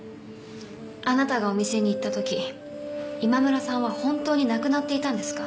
あなたがお店に行った時今村さんは本当に亡くなっていたんですか？